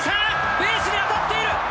ベースに当たっている！